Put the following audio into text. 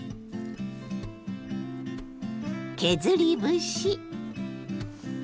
削り節。